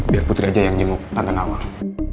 biar putri aja yang jenguk tangan awang